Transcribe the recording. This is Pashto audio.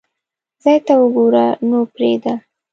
خدای ته اوګوره نو مې پریدا